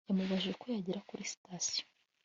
Yamubajije uko yagera kuri sitasiyo